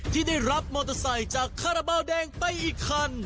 ที่ได้รับมอเตอร์ไซค์จากคาราบาลแดงไปอีกคัน